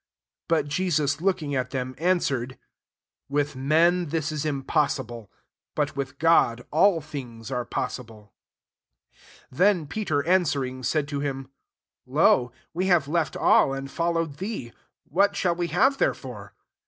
26 But Jesus looking at them, answer ed, " With men this is impos sible ; but with God all thmgs are possible." 27 Then Peter answering, said to him, "Lo ! we have left all, and followed thee ; what shtUl we have therefore ?"